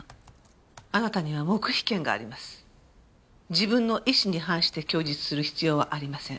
自分の意思に反して供述する必要はありません。